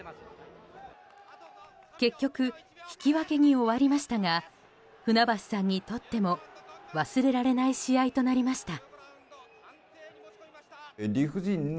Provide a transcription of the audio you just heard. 結局、引き分けに終わりましたが舟橋さんにとっても忘れられない試合となりました。